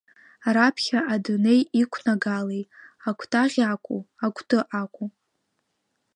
Раԥхьа адунеи иқәнагалеи, акәтаӷь акәу, акәты акәу?